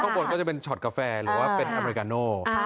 ข้างบนก็จะเป็นชอบกาแฟหรือว่าเป็นอัมเรกาโน้